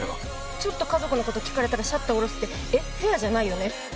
ちょっと家族のこと聞かれたらシャッター下ろすってフェアじゃないよね。